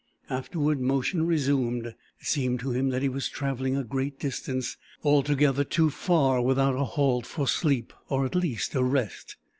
Afterward motion resumed. It seemed to him that he was travelling a great distance. Altogether too far without a halt for sleep, or at least a rest.